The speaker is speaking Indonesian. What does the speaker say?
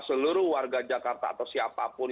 seluruh warga jakarta atau siapapun